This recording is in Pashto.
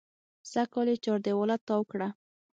سږکال یې چاردېواله تاو کړه.